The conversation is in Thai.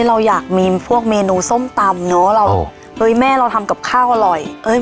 เราอยากมีพวกเมนูส้มตำเนอะเราเอ้ยแม่เราทำกับข้าวอร่อยเอ้ย